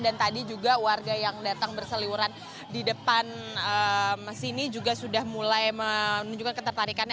dan tadi juga warga yang datang berseliuran di depan sini juga sudah mulai menunjukkan ketertarikannya